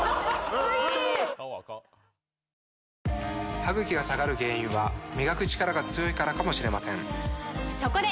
歯ぐきが下がる原因は磨くチカラが強いからかもしれませんそこで！